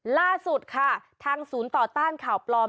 ล่าสุดค่ะทางศูนย์ต่อต้านข่าวปลอม